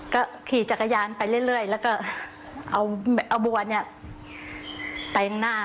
ก็ขี่จักรยานไปเรื่อยแล้วก็เอาบัวเนี่ยแต่งหน้า